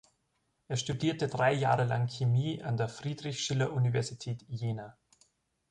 Er studierte drei Jahre lang Chemie an der Friedrich-Schiller-Universität Jena.